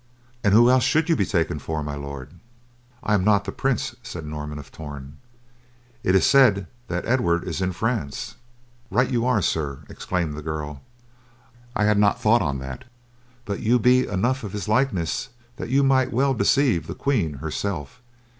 "An' who else should you be taken for, my Lord?" "I am not the Prince," said Norman of Torn. "It is said that Edward is in France." "Right you are, sir," exclaimed the girl. "I had not thought on that; but you be enough of his likeness that you might well deceive the Queen herself.